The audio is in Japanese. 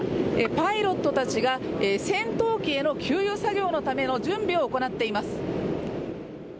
パイロットたちが戦闘機への給油作業のための準備を行っています。